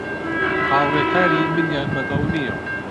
هاوڕێکانی منیان بە دڵ نییە.